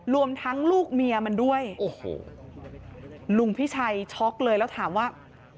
รวมทั้งลูกเมียมันด้วยโอ้โหลุงพิชัยช็อกเลยแล้วถามว่า